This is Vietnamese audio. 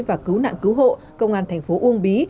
và cứu nạn cứu hộ công an thành phố uông bí